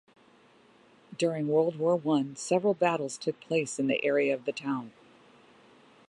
During World War One, several battles took place in the area of the town.